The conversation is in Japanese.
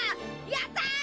やった！